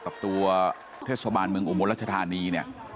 กับตัวเทศบาลเมืองอุโมราชธานี